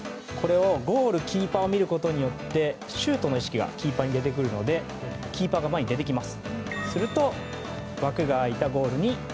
ゴール、キーパーを見ることでシュートの意識がキーパーに出てくるのでキーパーが前に出てきます。